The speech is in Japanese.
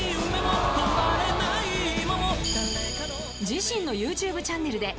［自身のＹｏｕＴｕｂｅチャンネルで］